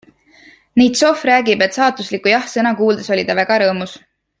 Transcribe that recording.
Neitsov räägib, et saatuslikku jah-sõna kuuldes oli ta väga rõõmus.